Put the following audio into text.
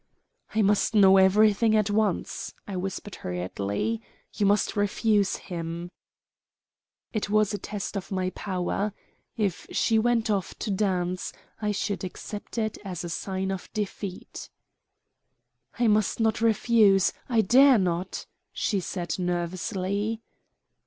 "I must know everything at once," I whispered hurriedly. "You must refuse him." It was a test of my power. If she went off to dance I should accept it as a sign of defeat. "I must not refuse. I dare not," she said nervously.